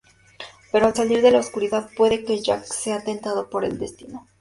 Pero al salir de la oscuridad, puede que Jack sea tentado por el destino.